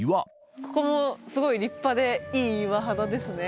ここもすごい立派でいい岩肌ですね